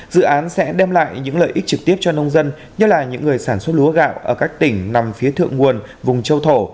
dự án sẽ đem lại những lợi ích trực tiếp cho nông dân như là những người sản xuất lúa gạo ở các tỉnh nằm phía thượng nguồn vùng châu thổ